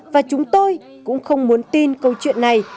và chúng tôi cũng không muốn tin câu chuyện này